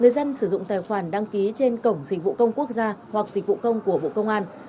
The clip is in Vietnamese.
người dân sử dụng tài khoản đăng ký trên cổng dịch vụ công quốc gia hoặc dịch vụ công của bộ công an